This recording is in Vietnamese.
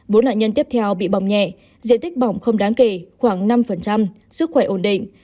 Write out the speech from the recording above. bốn nạn nhân tiếp theo bị bỏng nhẹ diện tích bỏng không đáng kể khoảng năm sức khỏe ổn định